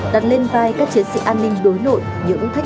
đặt lên vai các chiến sĩ an ninh đối nội